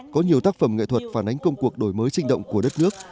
có nhiều tác phẩm nghệ thuật phản ánh công cuộc đổi mới sinh động của đất nước